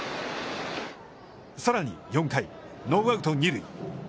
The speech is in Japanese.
さらに４回、ノーアウト、二塁。